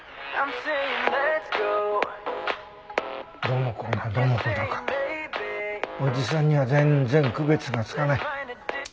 どの子がどの子だかおじさんには全然区別がつかない。